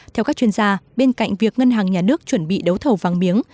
theo các chuyên gia bên cạnh việc ngân hàng nhà nước chuẩn bị đấu thầu vàng miếng